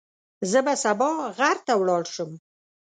زه به سبا غر ته ولاړ شم.